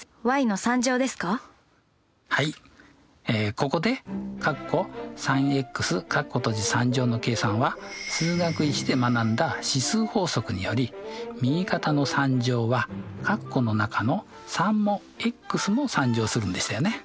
ここでの計算は「数学Ⅰ」で学んだ指数法則により右肩の３乗は括弧の中の３もも３乗するんでしたよね。